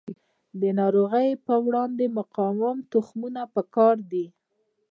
د ناروغیو په وړاندې مقاوم تخمونه پکار دي.